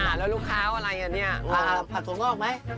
แล้วลูกค้าว่าอะไรผัดสวงออกไหม